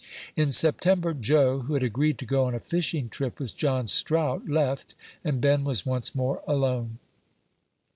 In September, Joe, who had agreed to go on a fishing trip with John Strout, left, and Ben was once more alone.